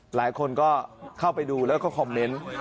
หลายคนก็เข้าไปดูแล้วก็คอมเมนต์